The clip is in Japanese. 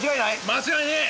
間違いねえ。